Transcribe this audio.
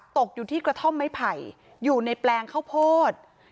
ตกอยู่ที่กระท่อมไม้ไผ่อยู่ในแปลงข้าวโพด